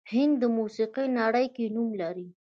هندي موسیقي نړۍ کې نوم لري